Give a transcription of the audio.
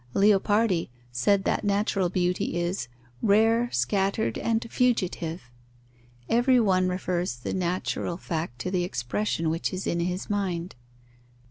Leopardi said that natural beauty is "rare, scattered, and fugitive." Every one refers the natural fact to the expression which is in his mind.